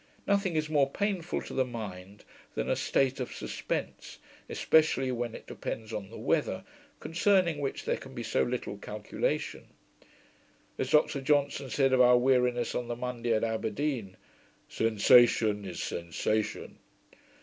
Nothing is more painful to the mind than a state of suspence, especially when it depends upon the weather, concerning which there can be so little calculation. As Dr Johnson said of our weariness on the Monday at Aberdeen, 'Sensation is sensation.'